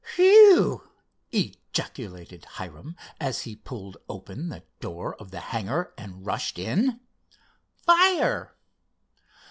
"Whew!" ejaculated Hiram, as he pulled open the door of the hangar, and rushed in. "Fire!"